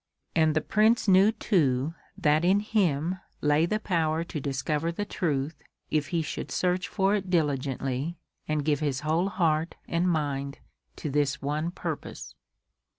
And the Prince knew too that in him lay the power to discover the truth if he should search for it diligently and give his whole heart and mind to this one purpose.